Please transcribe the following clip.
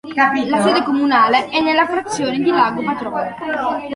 La sede comunale è nella frazione di "Lago Patrono".